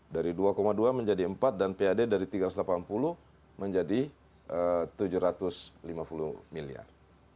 dari dua dua menjadi empat dan pad dari tiga ratus delapan puluh menjadi tujuh ratus lima puluh miliar